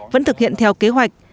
vẫn thực hiện theo kế hoạch